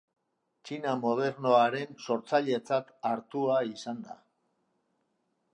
Txina modernoaren sortzailetzat hartua izan da.